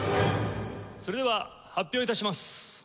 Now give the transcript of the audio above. それでは発表致します。